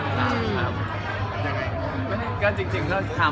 ความรู้เรื่องของเราครับ